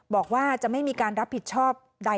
บอกว่าจะไม่มีการรับผิดชอบใด